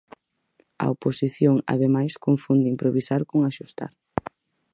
A oposición, ademais, confunde improvisar con axustar.